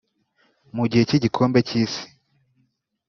Mu gihe cy’igikombe cy’isi